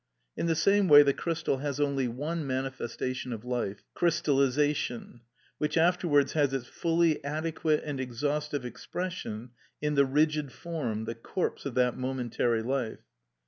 In the same way the crystal has only one manifestation of life, crystallisation, which afterwards has its fully adequate and exhaustive expression in the rigid form, the corpse of that momentary life.